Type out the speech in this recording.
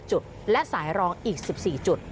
จุดและสายรองอีก๑๔จุด